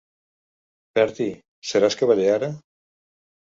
Bertie, seràs cavaller ara?